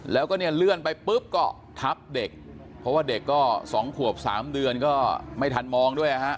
แล้วก็เนี่ยเลื่อนไปปุ๊บก็ทับเด็กเพราะว่าเด็กก็๒ขวบ๓เดือนก็ไม่ทันมองด้วยนะฮะ